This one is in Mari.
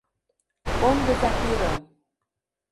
Кондыза пӱрым!